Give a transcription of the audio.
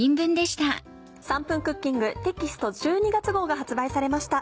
『３分クッキング』テキスト１２月号が発売されました。